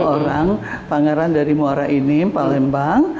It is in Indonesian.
dua orang pangeran dari muara ini palembang